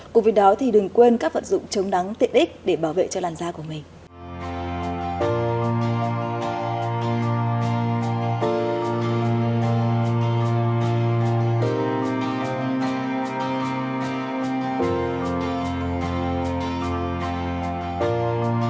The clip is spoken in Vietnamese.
cùng với đó thì đừng quên các vận dụng chống nắng tiện ích để bảo vệ cho làn da của mình